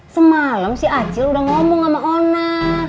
semalam si acil udah ngomong sama ona